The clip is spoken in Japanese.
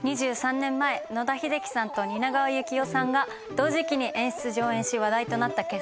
２３年前野田秀樹さんと蜷川幸雄さんが同時期に演出上演し話題となった傑作です。